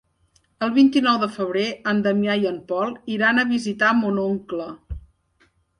El vint-i-nou de febrer en Damià i en Pol iran a visitar mon oncle.